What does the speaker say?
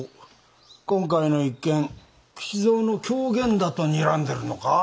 今回の一件吉蔵の狂言だとにらんでるのか？